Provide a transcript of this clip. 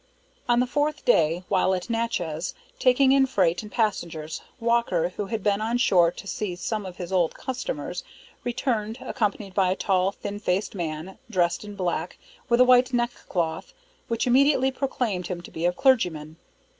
On the fourth day, while at Natchez, taking in freight and passengers, Walker, who had been on shore to see some of his old customers, returned, accompanied by a tall, thin faced man, dressed in black, with a white neckcloth, which immediately proclaimed him to be a clergyman.